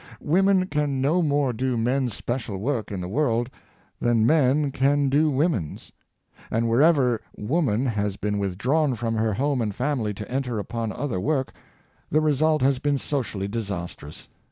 Women can no more do men's special work in the world than men can do women's. And wherever woman has been withdrawn from her home and family to enter upon other work, the result has been socially disastrous.